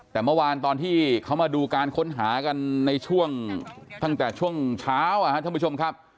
แต่เมื่อวานตอนที่เขามาดูการค้นหากันในช่วงตั้งแต่ช่วงเช้าท่านผู้ชมครับ